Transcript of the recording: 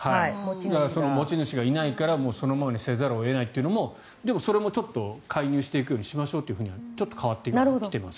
持ち主がいないからそのままにせざるを得ないというのもでもそれもちょっと介入していくようにしましょうとちょっと変わってきています。